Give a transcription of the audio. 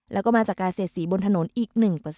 แล้วก็มาจากการเสียสีบนถนนอีก๑